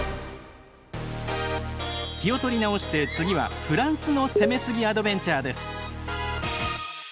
気を取り直して次はフランスの「攻めすぎ！？アドベンチャー」です。